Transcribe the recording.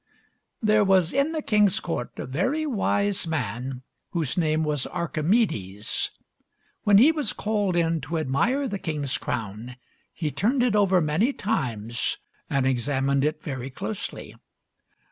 There was in the king's court a very wise man whose name was Archimedes. When he was called in to admire the king's crown he turned it over many times and examined it very closely.